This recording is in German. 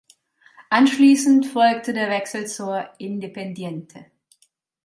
Anschließend folgte der Wechsel zu Independiente.